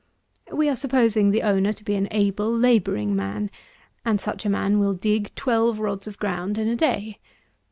We are supposing the owner to be an able labouring man; and such a man will dig 12 rods of ground in a day.